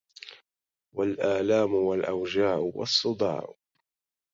والآلام والأوجاع والصداع